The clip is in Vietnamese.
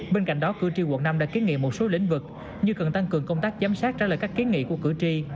bên cạnh đó cử tri quận năm đã kiến nghị một số lĩnh vực như cần tăng cường công tác giám sát trả lời các kiến nghị của cử tri